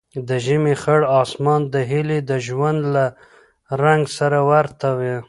د ژمي خړ اسمان د هیلې د ژوند له رنګ سره ورته و.